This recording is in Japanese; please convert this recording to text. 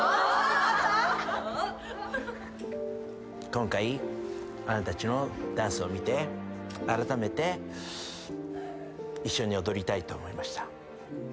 今回あなたたちのダンスを見てあらためて一緒に踊りたいと思いました。